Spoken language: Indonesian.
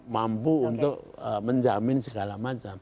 mampu untuk menjamin segala macam